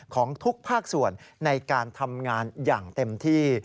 ของทุกภาคส่วนในการทำงานอย่างเต็มที่